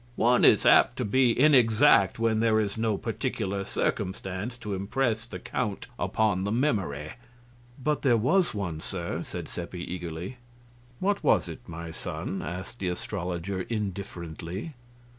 One is apt to be inexact when there is no particular circumstance to impress the count upon the memory." "But there was one, sir," said Seppi, eagerly. "What was it, my son?" asked the astrologer, indifferently.